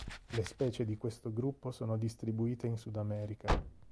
Le specie di questo gruppo sono distribuite in Sudamerica.